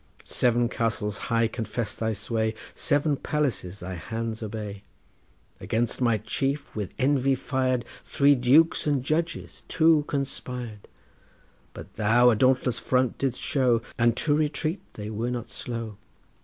Seven castles high confess thy sway, Seven palaces thy hands obey. Against my chief, with envy fired, Three dukes and judges two conspired, But thou a dauntless front didst show, And to retreat they were not slow.